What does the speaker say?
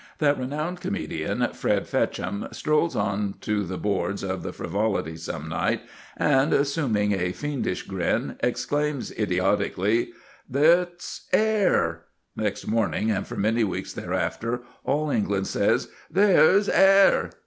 That renowned comedian, Fred Fetchem, strolls on to the boards of the Frivolity some night, and, assuming a fiendish grin, exclaims idiotically; "There's 'air!" Next morning and for many weeks thereafter all England says; "There's 'air!"